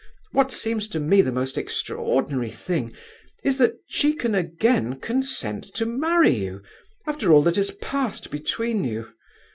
What seems to me the most extraordinary thing is, that she can again consent to marry you, after all that has passed between you.